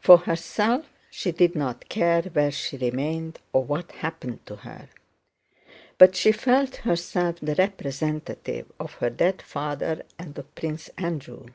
For herself she did not care where she remained or what happened to her, but she felt herself the representative of her dead father and of Prince Andrew.